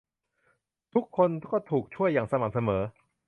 ทุกคนก็ถูกช่วยอย่างสม่ำเสมอ